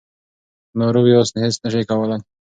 که ناروغ یاست هیڅ نشئ کولای.